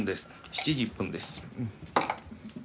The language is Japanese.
７時１分です。